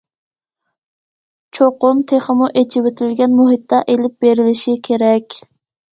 چوقۇم تېخىمۇ ئېچىۋېتىلگەن مۇھىتتا ئېلىپ بېرىلىشى كېرەك.